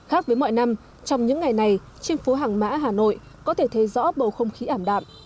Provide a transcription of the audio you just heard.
khác với mọi năm trong những ngày này trên phố hàng mã hà nội có thể thấy rõ bầu không khí ảm đạm